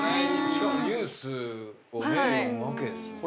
しかもニュースを読むわけですもんね。